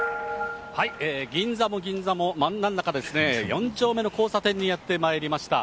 銀座も銀座もまんまん中ですね、４丁目の交差点にやってまいりました。